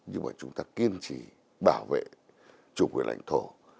nhưng mà chúng ta kiên trì bảo vệ chủ quyền lãnh thổ